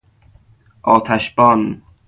آتش بان